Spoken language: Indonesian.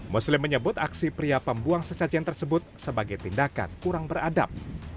muslim menyebut aksi pria pembuang sesajen tersebut sebagai tindakan kurang beradab